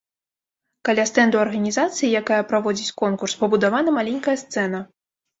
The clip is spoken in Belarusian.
Каля стэнду арганізацыі, якая праводзіць конкурс, пабудавана маленькая сцэна.